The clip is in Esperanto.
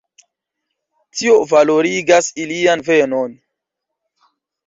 Tio valorigas ilian venon.